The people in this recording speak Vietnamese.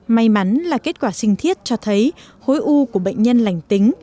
may mắn là kết quả sinh thiết cho thấy khối u của bệnh nhân lành tính